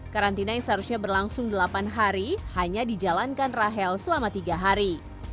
karantina yang seharusnya berlangsung delapan hari hanya dijalankan rahel selama tiga hari